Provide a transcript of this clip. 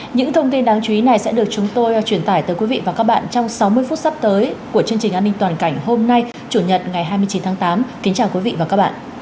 những thông tin đáng chú ý này sẽ được chúng tôi truyền tải tới quý vị và các bạn trong sáu mươi phút sắp tới của chương trình an ninh toàn cảnh hôm nay chủ nhật ngày hai mươi chín tháng tám kính chào quý vị và các bạn